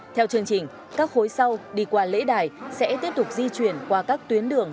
theo chương trình các khối sau đi qua lễ đài sẽ tiếp tục di chuyển qua các tuyến đường